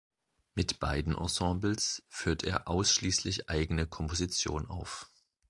Mit beiden Ensembles führt er ausschließlich eigene Komposition auf.